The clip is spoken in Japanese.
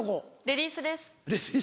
レディースです。